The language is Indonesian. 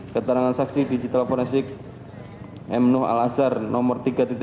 keterangan saksi digital forensik emno al azhar nomor tiga lima puluh tujuh